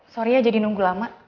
sorry aja dinunggu lama